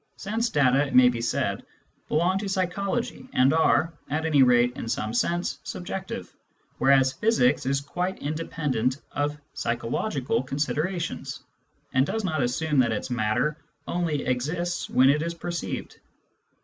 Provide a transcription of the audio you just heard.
Sense data, it may be said, belong to psychology and are, at any rate in some sense, subjective, whereas physics is quite independent of psychological considerations, and does not assume that its matter only exists when it is perceived.